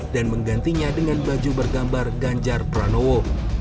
dan menggantinya dengan baju bergambar ganjar pranowo